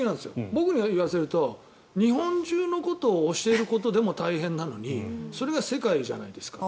僕に言わせると日本中のことを教えるだけでも大変なのでそれが世界じゃないですか。